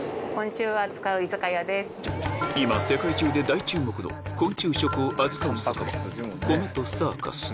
今世界中で大注目の昆虫食を扱う酒場「米とサーカス」